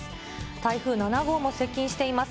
台風７号も接近しています。